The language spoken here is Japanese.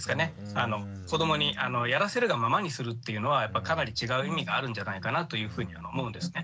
子どもにやらせるがままにするっていうのはかなり違う意味があるんじゃないかなというふうに思うんですね。